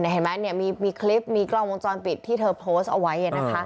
เห็นไหมมีคลิปมีกล้องวงจรปิดที่เธอโพสต์เอาไว้